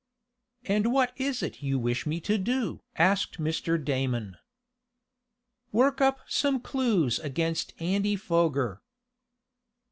"And what is it you wish me to do?" asked Mr. Damon. "Work up some clues against Andy Foger."